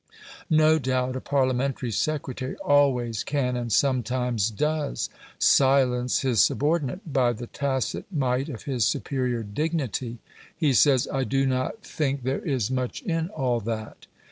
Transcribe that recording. No doubt a Parliamentary secretary always can, and sometimes does, silence his subordinate by the tacit might of his superior dignity. He says: "I do not think there is much in all that.